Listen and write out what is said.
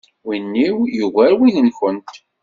Win-iw yugar win-nkent.